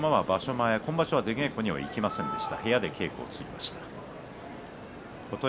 前今場所は出稽古に行きませんでした。